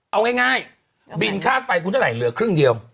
เอาง่ายบินค่าไฟคุณเท่าไหร่เหลือครึ่งเดียว